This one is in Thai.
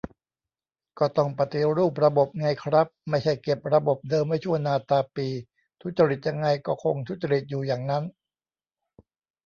ก็ต้องปฏิรูประบบไงครับ ไม่ใช่เก็บระบบเดิมไว้ชั่วนาตาปี ทุจริตยังไงก็คงทุจริตอยู่อย่างนั้น